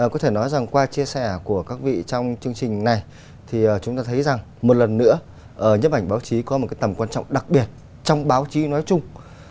có thể nói rằng qua chia sẻ của các vị trong chương trình này thì chúng ta thấy rằng một lần nữa nhấp ảnh báo chí có một tầm quan trọng đặc biệt trong báo chí nói chung